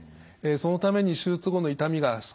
そのために手術後の痛みが少ない。